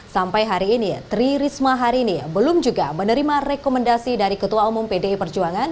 sampai hari ini tri risma hari ini belum juga menerima rekomendasi dari ketua umum pdi perjuangan